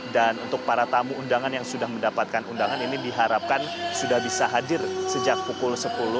untuk para tamu undangan yang sudah mendapatkan undangan ini diharapkan sudah bisa hadir sejak pukul sepuluh